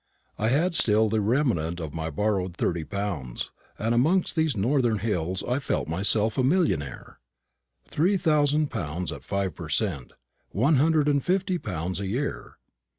I had still the remnant of my borrowed thirty pounds, and amongst these northern hills I felt myself a millionaire. Three thousand pounds at five per cent one hundred and fifty pounds a year.